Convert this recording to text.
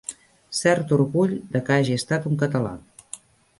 Cert orgull de que hagi estat un català.